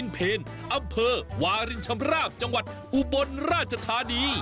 เพลอำเภอวารินชำราบจังหวัดอุบลราชธานี